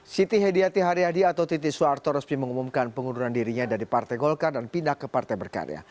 siti hediati haryadi atau titi soeharto resmi mengumumkan pengunduran dirinya dari partai golkar dan pindah ke partai berkarya